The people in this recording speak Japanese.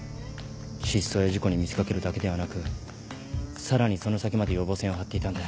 失踪や事故に見せ掛けるだけではなくさらにその先まで予防線を張っていたんだ。